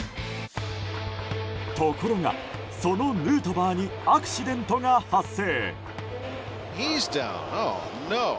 ところがそのヌートバーにアクシデントが発生。